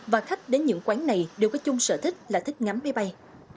và khách đến những quán này đều có chung sở thích là thích ngắm máy bay